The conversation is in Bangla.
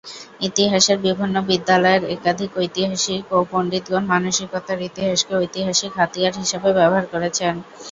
ইতিহাসের বিভিন্ন বিদ্যালয়ের একাধিক ঐতিহাসিক ও পণ্ডিতগণ মানসিকতার ইতিহাসকে ঐতিহাসিক হাতিয়ার হিসাবে ব্যবহার করেছেন।